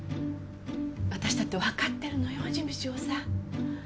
私だってわかってるのよ事務長さん。